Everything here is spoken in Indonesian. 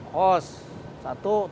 kos satu terutama kos